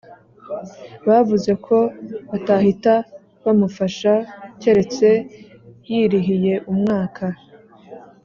Bavuze ko batahita bamufasha keretse yirihiye umwaka